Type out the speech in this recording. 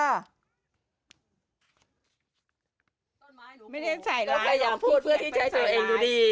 ต้นไม้หนูพูดเพื่อที่จะให้ตัวเองดูดี